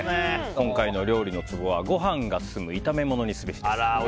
今回の料理のツボはごはんがすすむ炒めものにすべしです。